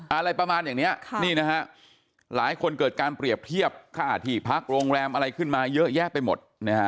อะไรประมาณอย่างนี้นี่นะฮะหลายคนเกิดการเปรียบเทียบค่าที่พักโรงแรมอะไรขึ้นมาเยอะแยะไปหมดนะฮะ